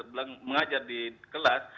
belum mengajar di kelas